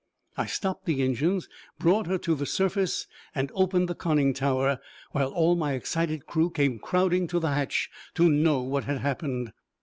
I stopped the engines, brought her to the surface, and opened the conning tower, while all my excited crew came crowding to the hatch to know what had happened.